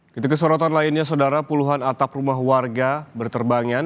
kita ke sorotan lainnya saudara puluhan atap rumah warga berterbangan